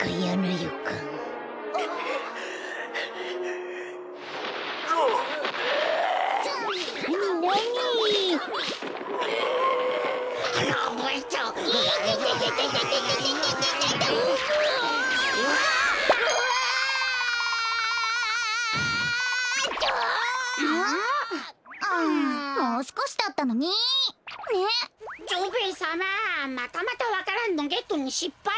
またまたわか蘭のゲットにしっぱい。